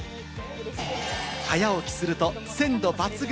早起きすると鮮度抜群！